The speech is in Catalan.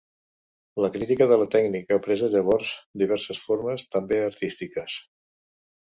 La crítica de la tècnica presa llavors diverses formes, també artístiques.